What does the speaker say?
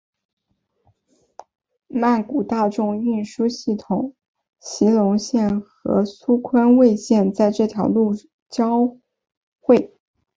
曼谷大众运输系统席隆线和苏坤蔚线在这条路交会。